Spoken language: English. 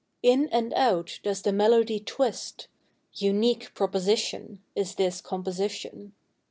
In and out does the melody twist Unique proposition Is this composition.